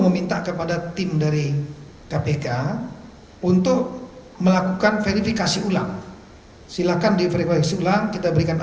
meminta kepada tim dari kpk untuk melakukan verifikasi ulang silakan diverifikasi ulang kita berikan